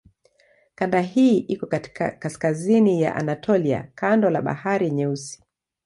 Kanda hii iko katika kaskazini ya Anatolia kando la Bahari Nyeusi.